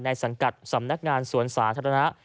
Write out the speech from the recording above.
สังกัดสำนักงานสวนสาธารณะ